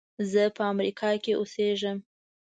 زه په امریکا کې اوسېږم.